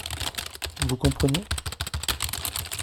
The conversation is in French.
Vous conprenez ?